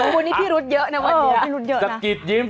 วันนี้พี่รุษเยอะนะพี่รุษเยอะนะ